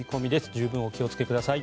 十分お気をつけください。